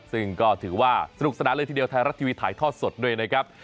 ซึ่งก็ถือว่าสนุกสนานเลยทีเดียวไทยรัฐทีวีถ่ายทอดสดด้วยนะครับ